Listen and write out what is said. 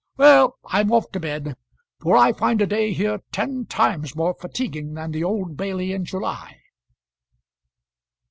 Well, I'm off to bed, for I find a day here ten times more fatiguing than the Old Bailey in July."